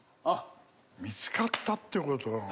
見つかったってことなの？